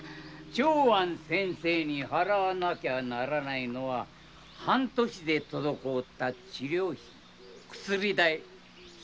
長庵先生に払わなきゃならないのは半年で滞った治療費に薬代しめて三十両なんだよ。